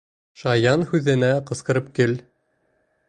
Шаян һүҙенә ҡысҡырып көл.